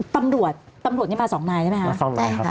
ตำรวจตำรวจนี่มา๒นายใช่ไหมครับ